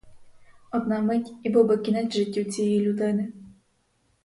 Одна мить і був би кінець життю цієї людини.